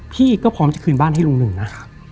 พี่ก็พร้อมจะคืนบ้านให้ลุงหนึ่งนะ